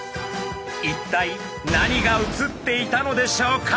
一体何が映っていたのでしょうか。